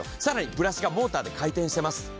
さらにブラシがモーターで回転してます。